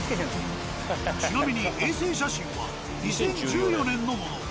ちなみに衛星写真は２０１４年のもの。